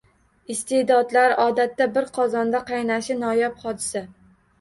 Iste’dodlar, odatda, bir qozonda qaynashi noyob hodisa.